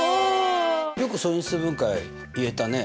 よく素因数分解言えたね。